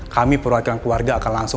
kami perwakilan keluarga akan langsung